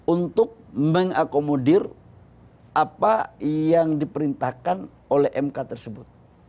untuk mengakomodir apa yang diperintahkan oleh mk tersebut